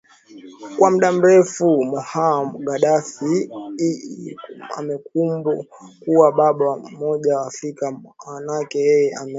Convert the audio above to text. kwa muda mrefu mohamar gaddaffi amekuwa baba wa umoja wa afrika maanake yeye ame